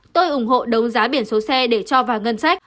tôi ủng hộ đấu giá biển số xe để cho vào ngân sách